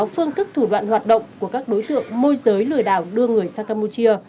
phương thức thủ đoạn hoạt động của các đối tượng môi giới lừa đảo đưa người sang campuchia